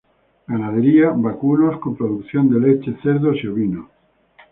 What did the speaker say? Ganadería: Vacunos con producción de leche, cerdos y ovinos.